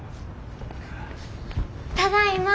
ただいま。